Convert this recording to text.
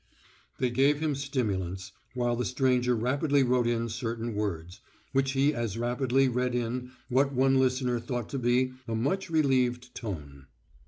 They gave him stimulants, while the stranger rapidly wrote in certain words, which he as rapidly read in what one listener thought to be a much relieved tone.